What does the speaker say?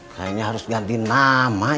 kayaknya harus gantiin nama ini mah